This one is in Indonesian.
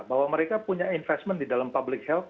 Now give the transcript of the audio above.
bahwa mereka punya investment di dalam public health